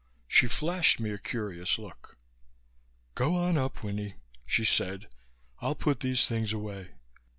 She flashed me a curious look. "Go on up, Winnie," she said. "I'll put these things away.